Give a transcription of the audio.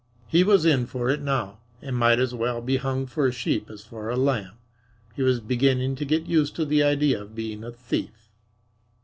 He was in for it now and might as well be hung for a sheep as for a lamb. He was beginning to get used to the idea of being a thief.